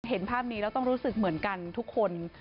เห็นภาพนี้แล้วต้องรู้สึกเหมือนกันทุกคน